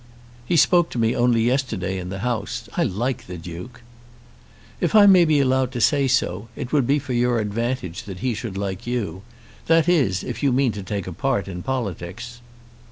"He spoke to me only yesterday in the House. I like the Duke." "If I may be allowed to say so, it would be for your advantage that he should like you; that is, if you mean to take a part in politics."